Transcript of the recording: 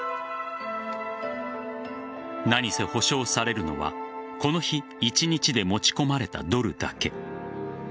何せ、保障されるのはこの日１日で持ち込まれたドルだけ。